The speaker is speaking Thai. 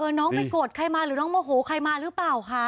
น้องไปโกรธใครมาหรือน้องโมโหใครมาหรือเปล่าคะ